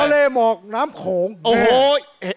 ทะเลหมอกหน้ามโขบี้